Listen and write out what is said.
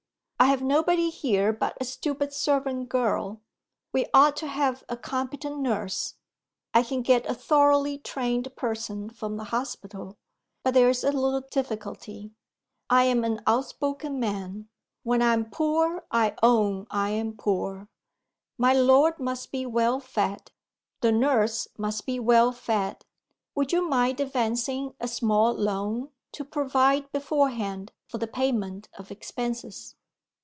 I have nobody here but a stupid servant girl. We ought to have a competent nurse. I can get a thoroughly trained person from the hospital; but there's a little difficulty. I am an outspoken man. When I am poor, I own I am poor. My lord must be well fed; the nurse must be well fed. Would you mind advancing a small loan, to provide beforehand for the payment of expenses?"